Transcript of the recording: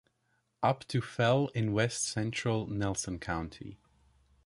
Up to fell in west central Nelson County.